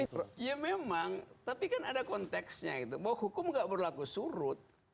iya memang tapi kan ada konteksnya gitu bahwa hukum gak berlaku surut